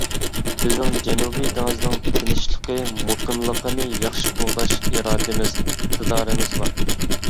بىزنىڭ جەنۇبىي دېڭىزنىڭ تىنچلىقى، مۇقىملىقىنى ياخشى قوغداش ئىرادىمىز، ئىقتىدارىمىز بار.